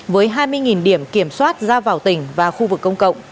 với hai mươi điểm kiểm soát ra vào tỉnh và khu vực công cộng